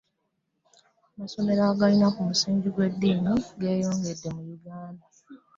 Amasomero agali ku musingi gw'eddini geeyongedde mu ggwanga.